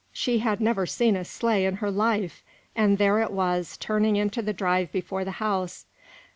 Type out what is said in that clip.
She had never seen a sleigh in her life, and there it was turning into the drive before the house.